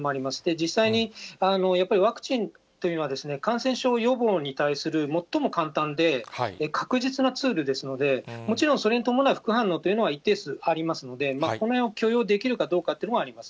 実際にやっぱりワクチンというのはですね、感染症予防に対するもっとも簡単で、確実なツールですので、もちろんそれに伴う副反応というのは、一定数ありますので、このへんを許容できるかというのはあります。